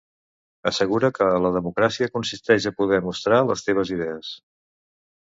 Assegura que la democràcia consisteix a poder mostrar les teves idees.